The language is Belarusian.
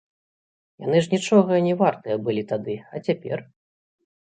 Яны ж нічога не вартыя былі тады, а цяпер?